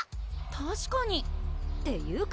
たしかにっていうか